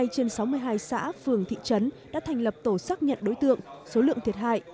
hai mươi trên sáu mươi hai xã phường thị trấn đã thành lập tổ xác nhận đối tượng số lượng thiệt hại